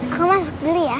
koma sendiri ya